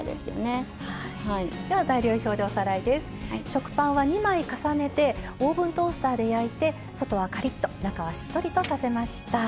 食パンは２枚重ねてオーブントースターで焼いて外はカリッと中はしっとりとさせました。